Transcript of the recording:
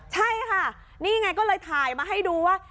ใช่ค่ะนี่ไงก็เลยถ่ายมาให้ดูว่า